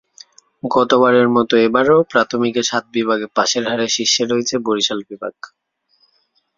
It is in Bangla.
গতবারের মতো এবারও প্রাথমিকে সাত বিভাগে পাসের হারে শীর্ষে রয়েছে বরিশাল বিভাগ।